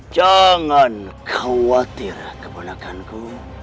jangan khawatir keponakanku